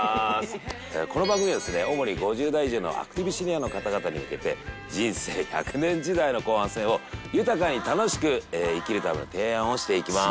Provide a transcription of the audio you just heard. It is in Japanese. この番組はですね主に５０代以上のアクティブシニアの方々に向けて人生１００年時代の後半戦を豊かに楽しく生きるための提案をしていきます。